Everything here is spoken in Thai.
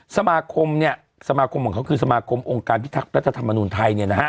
สมาคมเนี่ยสมาคมของเขาคือสมาคมองค์การพิทักษ์รัฐธรรมนุนไทยเนี่ยนะฮะ